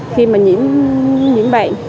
khi mà nhiễm bệnh